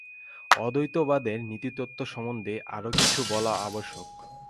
অদ্বৈতবাদের নীতিতত্ত্ব সম্বন্ধে আরও কিছু বলা আবশ্যক।